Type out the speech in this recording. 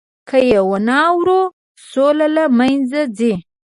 که یې ونه اورو، سوله له منځه ځي.